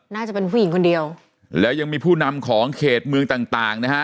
น่าจะเป็นผู้หญิงคนเดียวแล้วยังมีผู้นำของเขตเมืองต่างต่างนะฮะ